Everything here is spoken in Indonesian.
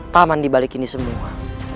taman dibalik ini semua